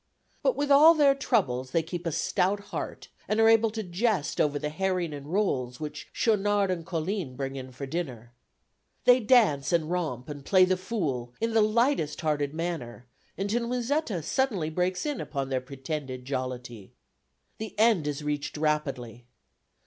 But with all their troubles they keep a stout heart and are able to jest over the herring and rolls which Schaunard and Colline bring in for dinner. They dance and romp, and play the fool in the lightest hearted manner until Musetta suddenly breaks in upon their pretended jollity. The end is reached rapidly.